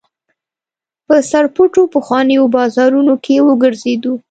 په سرپټو پخوانیو بازارونو کې وګرځېدو.